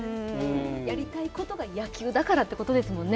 やりたいことが野球だからということですもんね。